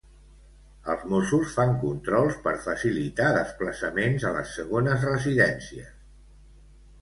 Els Mossos fan controls per facilitar desplaçaments a les segones residències.